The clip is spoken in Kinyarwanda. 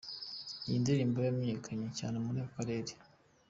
Iyi nindirimbo ymenyekanyeho cyane muri akarere